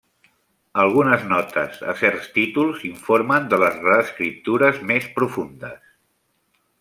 Algunes notes a certs títols informen de les reescriptures més profundes.